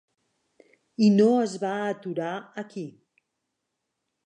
I no es va aturar aquí.